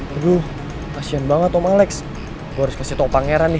aduh kasian banget tom alex gue harus kasih tau pangeran nih